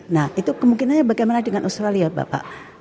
nah itu kemungkinannya bagaimana dengan australia bapak